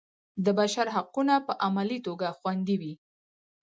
د بشر حقونه په عملي توګه خوندي وي.